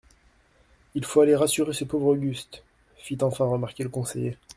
Il faut aller rassurer ce pauvre Auguste, fit enfin remarquer le conseiller.